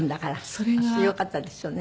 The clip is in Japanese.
それはよかったですよね。